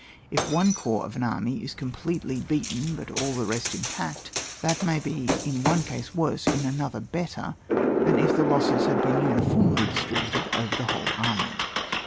If one corps of an army is com pletely beaten but all the rest intact, that may be in one case worse, in another better than if the losses had been uni fonnly distributed over the whole army.